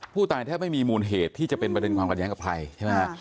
แทบไม่มีมูลเหตุที่จะเป็นประเด็นความขัดแย้งกับใครใช่ไหมฮะ